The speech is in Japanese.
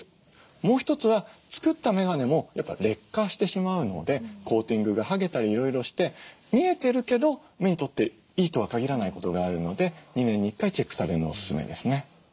もう一つは作ったメガネもやっぱ劣化してしまうのでコーティングが剥げたりいろいろして見えてるけど目にとっていいとは限らないことがあるので２年に１回チェックされるのお勧めですね。